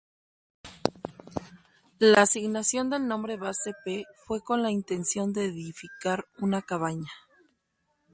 La asignación del nombre Base P fue con la intención de edificar una cabaña.